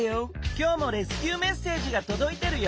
今日もレスキューメッセージがとどいてるよ。